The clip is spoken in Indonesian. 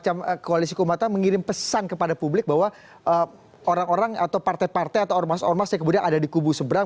bagaimana koalisi keumatan mengirim pesan kepada publik bahwa orang orang atau partai partai atau ormas ormas yang kemudian ada di kubu seberang